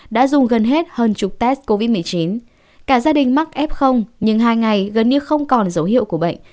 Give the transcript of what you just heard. đã dùng gần hết hơn chục test covid một mươi chín cả gia đình mắc f nhưng hai ngày gần như không còn dấu hiệu của bệnh